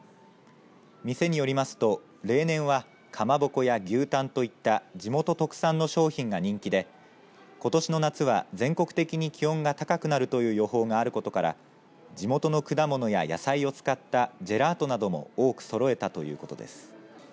店によりますと例年はかまぼこや牛タンといった地元特産の商品が人気でことしの夏は全国的に気温が高くなるという予報があることから地元の果物や野菜を使ったジェラートなども多くそろえたということです。